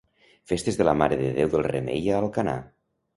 Festes de la Mare de Déu del Remei a Alcanar.